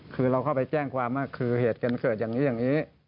คือเราเข้าไปแจ้งความว่าเกิดกันเขิดแห่งนี้แห่งนี้